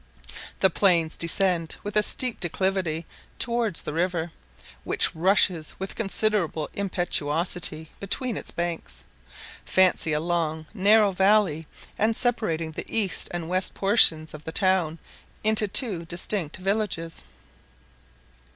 The plains descend with a steep declivity towards the river, which rushes with considerable impetuosity between its banks. Fancy a long, narrow valley, and separating the east and west portions of the town into two distinct villages.